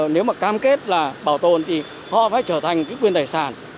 nếu mà cam kết là bảo tồn thì họ phải trở thành cái quyền tài sản